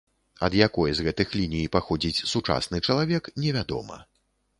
Ад якой з гэтых ліній паходзіць сучасны чалавек, невядома.